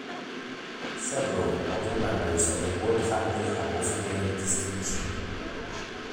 Several other members of the Ward family have also gained distinction.